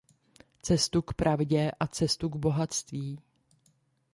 Cestu k pravdě a cestu k bohatství.